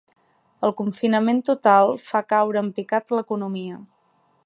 El confinament total fa caure en picat l'economia